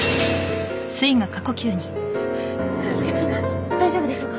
お客さま大丈夫でしょうか？